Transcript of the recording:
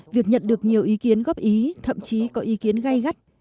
việc nhận được nhiều ý kiến góp ý thậm chí có ý kiến gây gắt